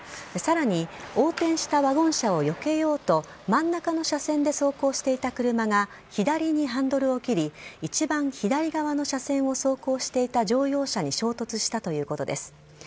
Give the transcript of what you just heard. さらに横転したワゴン車をよけようと真ん中の車線で走行していた車が左にハンドルを切り一番左側の車線を走行していた乗用車に衝突したということです。